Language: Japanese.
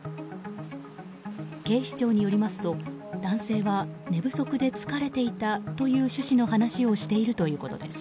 警視庁によりますと、男性は寝不足で疲れていたという趣旨の話をしているということです。